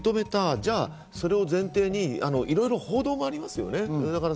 じゃあ、それを前提に、いろいろ報道がありますね。